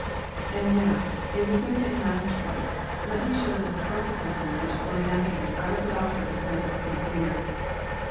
And now, in the third and last place, let me show some consequences ivhich flow naturally out of the doctrine declared by St. Peter.